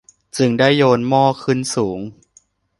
จึงได้โยนหม้อขึ้นสูง